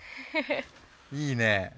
いいね。